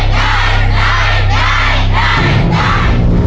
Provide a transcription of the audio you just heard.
ได้ได้ได้ได้